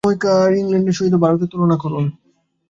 এলিজাবেথের সময়কার ইংলণ্ডের সহিত ভারতের তুলনা করুন।